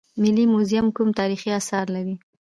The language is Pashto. ملي موزیم کوم تاریخي اثار لري؟